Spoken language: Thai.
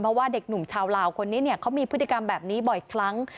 เพราะว่าเด็กหนุ่มชาวลาวคนนี้เขามีพฤติกรรมแบบนี้บ่อยครั้ง